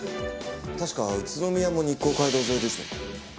確か宇都宮も日光街道沿いですよね。